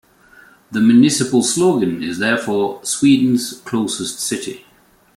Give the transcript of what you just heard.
The municipal slogan is therefore "Sweden's Closest City".